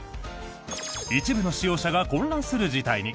一部の使用者が混乱する事態に。